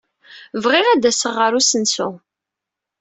Bɣiɣ ad d-aseɣ ɣer usensu.